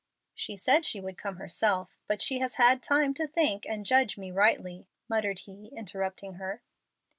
"She said she would come herself, but she has had time to think and judge me rightly," muttered he, interrupting her.